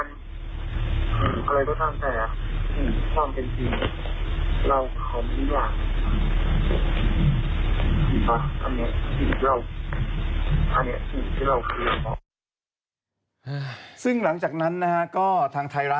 มันคืออะไรก็ตั้งแต่